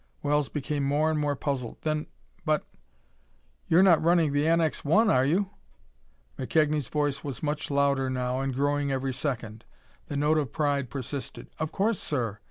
Wells became more and more puzzled. "Then but you're not running the NX 1, are you?" McKegnie's voice was much louder now, and growing every second. The note of pride persisted. "Of course, sir!"